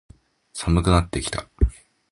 寒くなってきた。